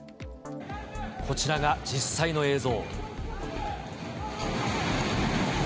こちらが実際の映像。